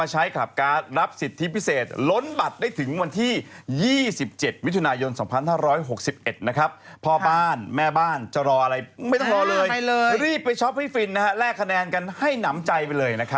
จะรออะไรไม่ต้องรอเลยรีบไปช้อปพี่ฟินนะฮะแลกคะแนนกันให้หนำใจไปเลยนะครับ